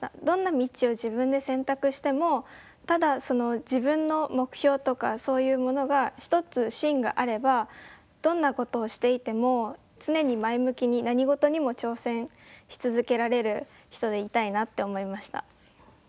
どんな道を自分で選択してもただその自分の目標とかそういうものが一つ芯があればどんなことをしていても常に前向きに何事にも挑戦し続けられる人でいたいなって思いました。